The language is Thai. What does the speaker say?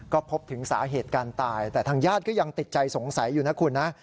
ก็พบถึงสาเหตุการตายแต่ทางญาติก็ยังติดใจสงสัยอยู่นะคุณนะ